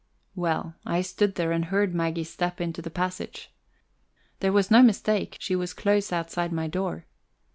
Well, I stood there and heard Maggie step into the passage. There was no mistake: she was close outside my door.